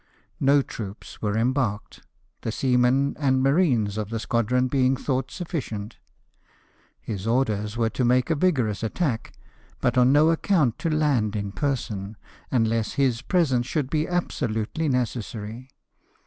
No troops were embarked, the seamen and marines of the squadron being thought sufficient. His orders were to make a vigorous attack, but on no account to land in person, unless his presence should be absolutely necessary.